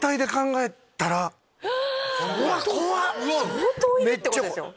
相当いるってことですよ。